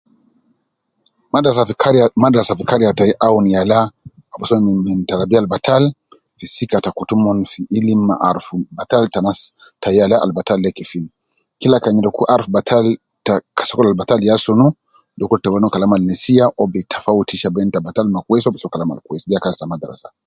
Madrasa fi kariya madarasa fi kariya tai aun yala abusu omon min, min tarabiya al batal fi sika ta kutu omon fi ilim ma arufu batal ta masi ta yala al batal de kefin, kila kan nyereku aruf batal ta ka sokol al batal, yaa sunu dukur ta weno kalam al nesiya uwo bi tafautisha bein ta batal ma kwesi, uwo bi soo kalam al kwesi, deya kazi ta madrasa